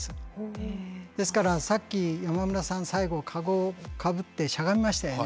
ですからさっき山村さん最後かごをかぶってしゃがみましたよね。